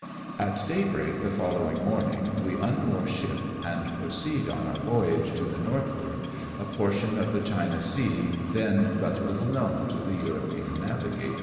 At daybreak the following morning we unmoor ship, and proceed on our voyage to the northward, a portion of the China Sea then but little known to the European navigators.